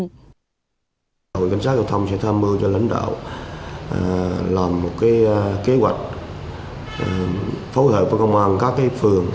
đội cảnh sát giao thông sẽ tham mưu cho lãnh đạo làm một kế hoạch phối hợp với công an các phường